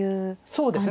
そうですね。